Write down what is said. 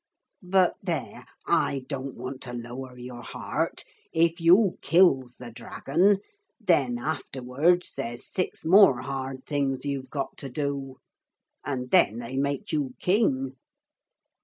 But there. I don't want to lower your heart. If you kills the dragon, then afterwards there's six more hard things you've got to do. And then they make you king.